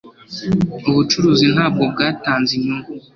Ubucuruzi ntabwo bwatanze inyungu.